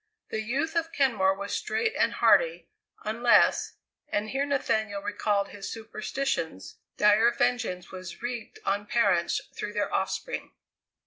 The youth of Kenmore was straight and hearty, unless and here Nathaniel recalled his superstitions dire vengeance was wreaked on parents through their offspring.